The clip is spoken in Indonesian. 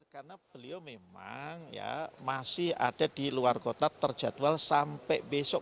karena beliau memang masih ada di luar kota terjadwal sampai besok